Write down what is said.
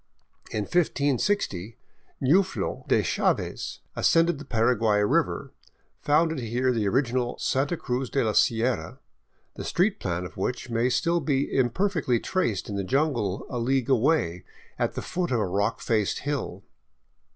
In 1560 Nuflo de Chaves, ascending the Paraguay river, founded here the original Santa Cruz de la Sierra, the street plan of which may still be imperfectly traced in the jungle a league away at the foot of a rock faced hill.